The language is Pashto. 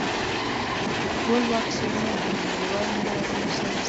ټول واکسینونه د نړیوال معیارونو سره سم دي.